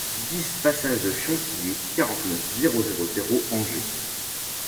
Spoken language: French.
dix pASSAGE DE CHANTILLY, quarante-neuf, zéro zéro zéro, Angers